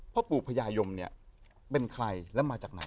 พ่อปู่พญายมเนี่ยเป็นใครแล้วมาจากไหน